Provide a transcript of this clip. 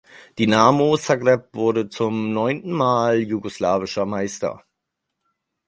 Dinamo Zagreb wurde zum neunten Mal jugoslawischer Meister.